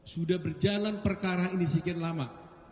sudah berjalan perkara ini sekian lama